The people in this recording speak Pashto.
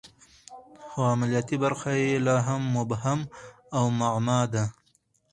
خو عملیاتي برخه یې لا هم مبهم او معما ده